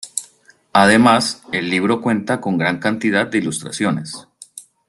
Además, el libro cuenta con gran cantidad de ilustraciones.